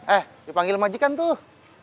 eh dipanggil majikan tuh